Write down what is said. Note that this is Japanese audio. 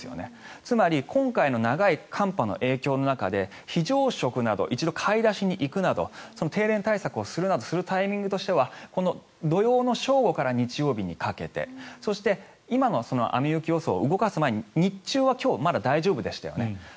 つまり、今回の長い寒波の影響の中で非常食など１度買い出しに行くなど停電対策などをするタイミングとしてはこの土曜の正午から日曜日にかけてそして、今の雨・雪予想を動かす前に日中はまだ大丈夫でしたよね。